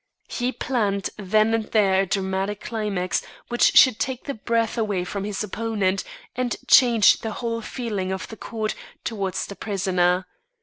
He planned then and there a dramatic climax which should take the breath away from his opponent, and change the whole feeling of the court towards the prisoner.